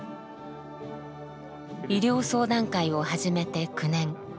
医療相談会を始めて９年。